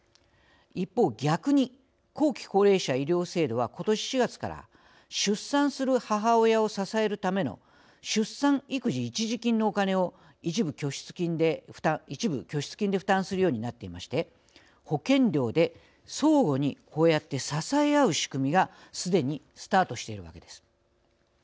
一方逆に後期高齢者医療制度は今年４月から出産する母親を支えるための出産育児一時金のお金を一部、拠出金で負担するようになっていまして保険料でこうやって相互に支え合う仕組みがすでにスタートしているわけです。